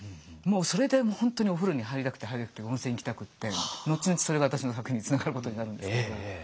もうそれで本当にお風呂に入りたくて入りたくて温泉行きたくって後々それが私の作品につながることになるんですけど。